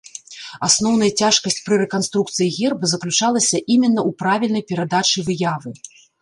Асноўная цяжкасць пры рэканструкцыі герба заключалася іменна ў правільнай перадачы выявы.